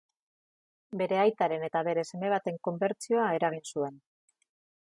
Bere aitaren eta bere seme baten konbertsioa eragin zuen.